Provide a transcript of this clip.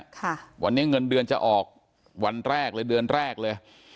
ค่ะวันนี้เงินเดือนจะออกวันแรกเลยเดือนแรกเลย